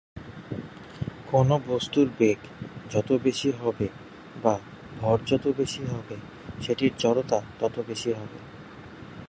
কোন বস্তুর বেগ যত বেশি হবে বা ভর যত বেশি হবে সেটির জড়তা তত বেশি হবে।